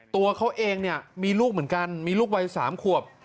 ตัวเขาเองเนี่ยมีลูกเหมือนกันมีลูกวัย๓ขวบ